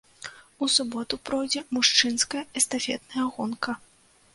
У суботу пройдзе мужчынская эстафетная гонка.